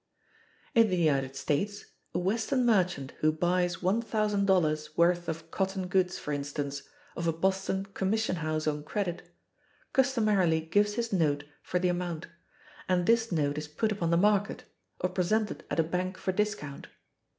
In the United States a Western merchant who buys $1,000 worth of cotton goods, for instance, of a Boston commission house on credit, customarily gives his note for the amount, and this note is put upon the market, or presented at a bank for discount.